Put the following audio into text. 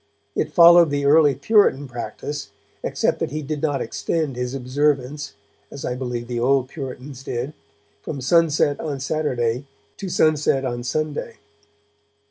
He followed the early Puritan practice, except that he did not extend his observance, as I believe the old Puritans did, from sunset on Saturday to sunset on Sunday.